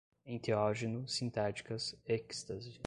enteógeno, sintéticas, êxtase